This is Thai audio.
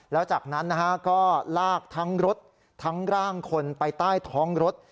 แล้วจากนั้นนะฮะก็ลากทั้งรถทั้งร่างคนไปใต้ท้องรถ